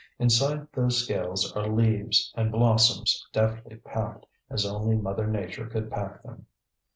Inside those scales are leaves and blossoms deftly packed, as only Mother Nature could pack them.